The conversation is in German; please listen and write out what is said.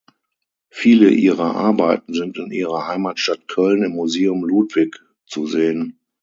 Viele ihrer Arbeiten sind in ihrer Heimatstadt Köln im Museum Ludwig zu sehen.